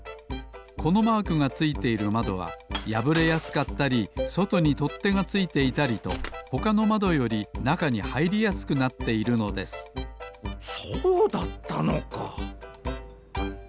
このマークがついているまどはやぶれやすかったりそとにとってがついていたりとほかのまどよりなかにはいりやすくなっているのですそうだったのか。